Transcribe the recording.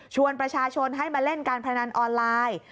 ประชาชนให้มาเล่นการพนันออนไลน์